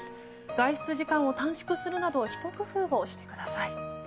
外出時間を短縮するなどひと工夫をしてください。